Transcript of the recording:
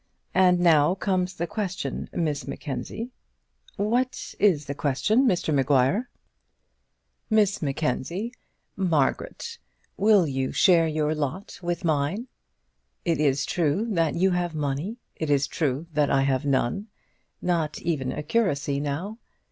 And now comes the question, Miss Mackenzie." "What is the question, Mr Maguire?" "Miss Mackenzie Margaret, will you share your lot with mine? It is true that you have money. It is true that I have none, not even a curacy now.